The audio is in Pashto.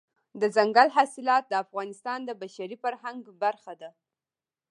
دځنګل حاصلات د افغانستان د بشري فرهنګ برخه ده.